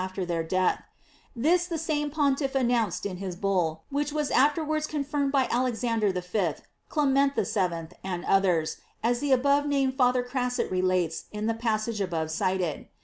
661 after their death; this the same pontiff announc ed in his bull, which was afterwards confirmed by Alexander V., Clement VII., and others, as the above named Father Crasset relates in the passage above cited.